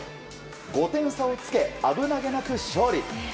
５点差をつけ危なげなく勝利。